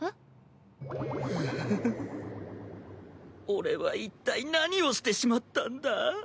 俺は一体何をしてしまったんだ？